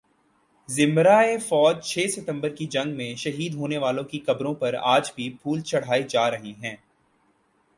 ذمرہ فوج چھ ستمبر کی جنگ میں شہید ہونے والوں کی قبروں پر آج بھی پھول چڑھائے جا رہے ہیں